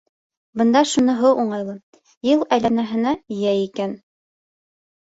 Бында шуныһы уңайлы: йыл әйләнәһенә йәй икән.